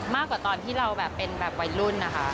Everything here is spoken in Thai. มากกว่าตอนที่เราแบบเป็นแบบวัยรุ่นนะคะ